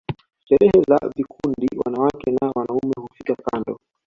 sherehe za vikundi wanawake na wanaume hufika kando